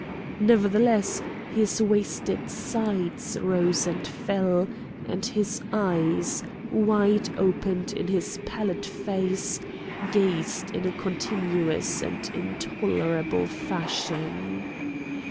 Nevertheless his wasted sides rose and fell, and his eyes, wide opened in his pallid face, gazed in a continuous and intolerable fashion.